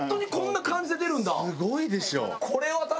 すごいでしょ。